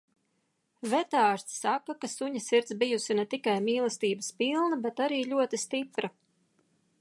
Vetārste saka, ka suņa sirds bijusi ne tikai mīlestības pilna, bet arī ļoti stipra.